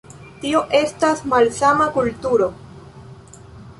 Tio estas malsama kulturo.